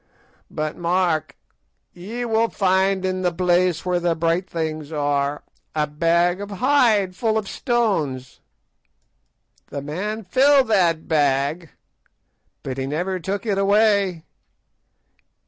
But mark, ye will find in the place where the bright things are a bag of hide full of stones. The man filled that bag, but he never took it away.